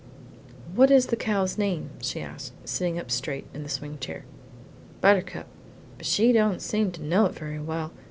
"What is the cow's name?" she asked, sitting up straight in the swing chair. "Buttercup; but she don't seem to know it very well.